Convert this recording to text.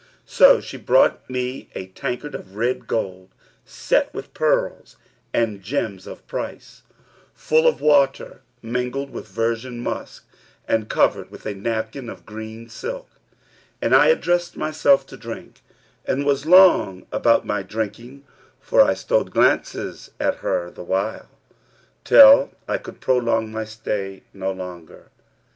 So she brought me a tankard of red gold, set with pearls and gems of price, full of water mingled with virgin musk and covered with a napkin of green silk, and I addressed myself to drink and was long about my drinking, for I stole glances at her the while, till I could prolong my stay no longer.